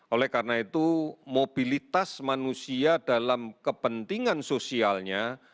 oleh karena itu mobilitas manusia dalam kepentingan sosialnya